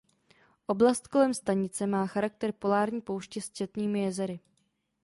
Oblast kolem stanice má charakter polární pouště s četnými jezery.